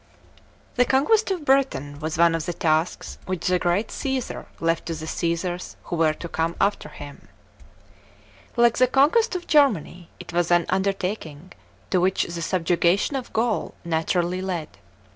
THE conquest of Britain was one of the tasks which the great Csesar left to the Csesars who were to come after him. 34, 27 B.U. KEASONS FUK JNVADlNli B1UTA1V. 259 Like the conquest of Germany, it was an undertaking to which the subjugation of Gwl naturally led.